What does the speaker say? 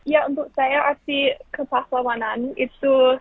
ya untuk saya arti kepahlawanan itu